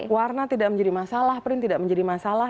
warna tidak menjadi masalah print tidak menjadi masalah